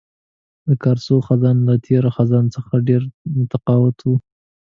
د کارسو خزان له تېر خزان څخه ډېر متفاوت وو.